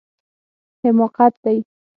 حماقت دی